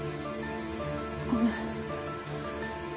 ごめん。